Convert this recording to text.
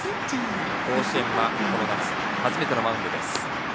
甲子園はこの夏、初めてのマウンドです。